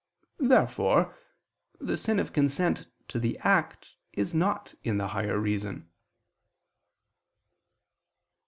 Therefore the sin of consent to the act is not in the higher reason.